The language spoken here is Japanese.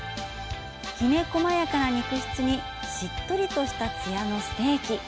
きめ細やかな肉質にしっとりとしたつやのステーキ。